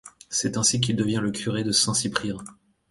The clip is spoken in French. C'est ainsi qu'il devint le curé de Saint-Cyprien.